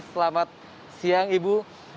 selamat siang ibu